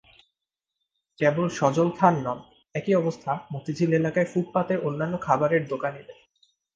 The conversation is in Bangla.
কেবল সজল খান নন, একই অবস্থা মতিঝিল এলাকায় ফুটপাতের অন্যান্য খাবারের দোকানিদের।